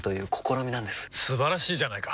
素晴らしいじゃないか！